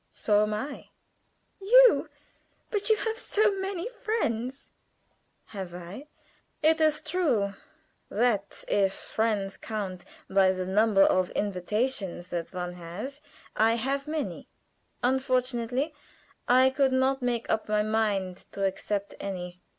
"So am I." "You! But you have so many friends." "Have I? It is true, that if friends count by the number of invitations that one has, I have many. Unfortunately I could not make up my mind to accept any.